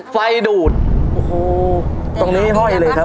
ไฟดูดโอ้โหตรงนี้ห้อยเลยครับ